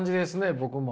僕も。